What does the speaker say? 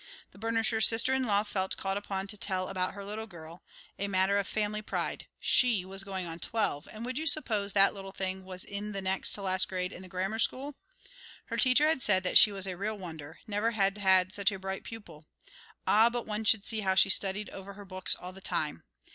The burnisher's sister in law felt called upon to tell about her little girl, a matter of family pride. She was going on twelve, and would you suppose that little thing was in next to the last grade in the grammar school? Her teacher had said that she was a real wonder; never had had such a bright pupil. Ah, but one should see how she studied over her books all the time.